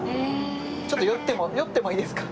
ちょっと寄っても寄ってもいいですか？